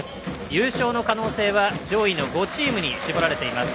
優勝の可能性は上位５チームに絞られています。